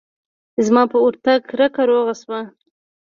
زما په ورتگ رکه روغه سوه.